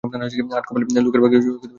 আট কপালে লােকের ভাগ্যে চাকরি জোটা মুশকিল।